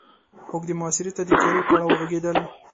اوږدې محاصرې ته د تياري په اړه وغږېدل.